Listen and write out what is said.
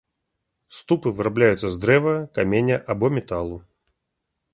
Ступы вырабляюцца з дрэва, каменя або металу.